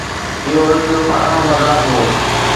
اهو هڪ ٻاراڻو مذاق هو